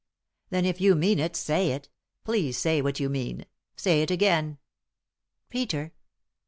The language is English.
"Then if you mean it, say it. Please say what you mean. Say it again." " Peter."